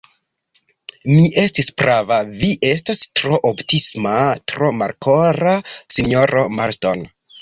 Mi estis prava; vi estas tro optimisma, tro molkora, sinjoro Marston.